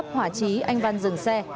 hòa chí anh văn dừng xe